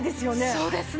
そうですね。